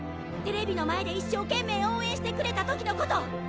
テレビの前で一生懸命応援してくれた時のこと